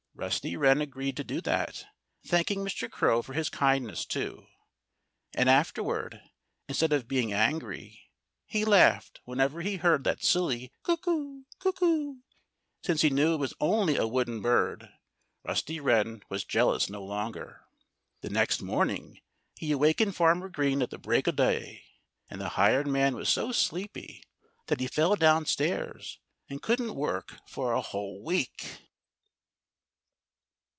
Rusty Wren agreed to that, thanking Mr. Crow for his kindness, too. And, afterward, instead of being angry, he laughed whenever he heard that silly "Cuckoo! cuckoo!" Since he knew it was only a wooden bird, Rusty Wren was jealous no longer. The next morning he awakened Farmer Green at the break o' day. And the hired man was so sleepy that he fell downstairs and couldn't work for a whole week.